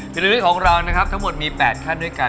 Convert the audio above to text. ทีละนิดของเรานะครับทั้งหมดมี๘ขั้นด้วยกัน